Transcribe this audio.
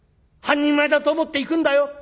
半人前だと思って行くんだよ。